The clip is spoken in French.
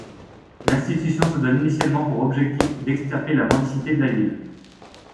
L’institution se donne initialement pour objectif d’extirper la mendicité de la ville.